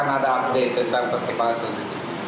nanti akan ada update tentang pertempuran selanjutnya